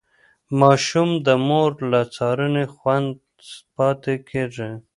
ماشوم د مور له څارنې خوندي پاتې کېږي.